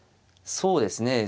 そうですね